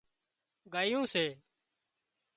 ڳايون سي